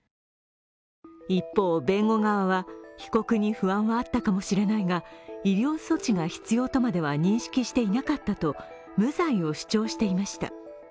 一方、弁護側は被告に不安はあったかもしれないが、医療措置が必要とまでは認識していなかったと無罪を主張していました。